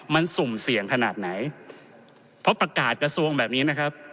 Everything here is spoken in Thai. มันสุ่มเสี่ยงขนาดไหนเพราะประกาศกระทรวงแบบนี้นะครับ